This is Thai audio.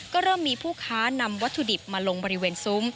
ก็เริ่มมีผู้ค้านำวัตถุดิบมาลงบริเวณซุ้ม